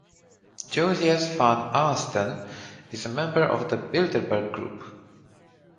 Jozias van Aartsen is a member of the Bilderberg Group.